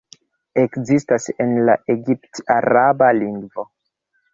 Ekzistas en la egipt-araba lingvo.